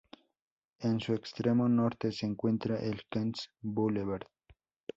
En su extremo norte se encuentra el Queens Boulevard.